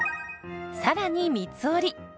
さらに三つ折り。